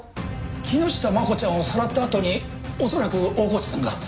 木下真子ちゃんをさらったあとに恐らく大河内さんが。